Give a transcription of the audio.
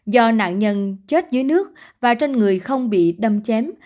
do nạn nhân chết dưới nước và trên người không bị đâm chém